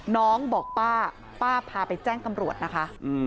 น้องบอกป้าป้าพาไปแจ้งตำรวจนะคะ